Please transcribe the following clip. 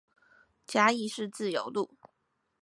嘉義市自由路